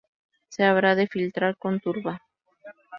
Se habrá de filtrar con turba.